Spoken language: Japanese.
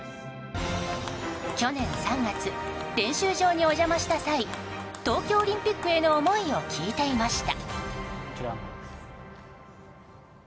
去年３月、練習場にお邪魔した際東京オリンピックへの思いを聞いていました。